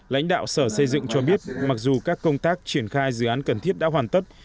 lãnh đạo sở xây dựng cho biết mặc dù các công tác triển khai dự án cần thiết đã hoàn tất